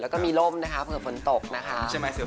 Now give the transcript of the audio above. แล้วก็มีลมเพื่อฝนตกนะคะ